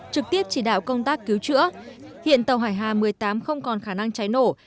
trực tiếp chỉ đạo công tác cứu chữa hiện tàu hải hà một mươi tám không còn khả năng cháy nổ